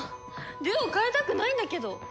デュオ変えたくないんだけど。